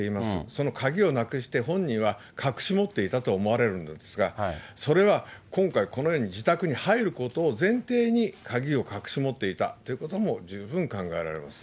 その鍵をなくして、本人は隠し持っていたと思われるんですが、それは今回、このように自宅に入ることを前提に、鍵を隠し持っていたということも十分考えられます。